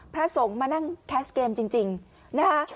พระสงฆ์มานั่งแคสเกมจริงนะคะ